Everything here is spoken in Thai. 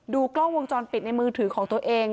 กล้องวงจรปิดในมือถือของตัวเอง